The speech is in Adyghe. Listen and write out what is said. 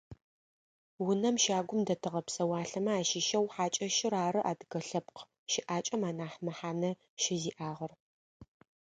Унэу щагум дэтыгъэ псэуалъэмэ ащыщэу хьакӏэщыр ары адыгэ лъэпкъ щыӏакӏэм анахь мэхьанэ щызиӏагъэр.